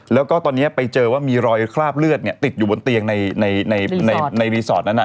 แล้วก็ตอนนี้ไปเจอว่ามีรอยคราบเลือดติดอยู่บนเตียงในรีสอร์ทนั้น